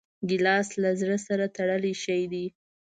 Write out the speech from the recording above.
ګیلاس له زړه سره تړلی شی دی.